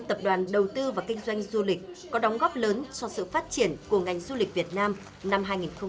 tập đoàn đầu tư và kinh doanh du lịch có đóng góp lớn cho sự phát triển của ngành du lịch việt nam năm hai nghìn hai mươi